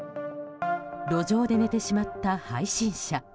路上で寝てしまった配信者。